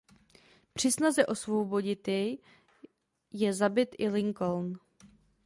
Při snaze osvobodit jej je zabit i Lincoln.